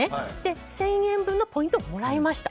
１０００円分のポイントをもらいました。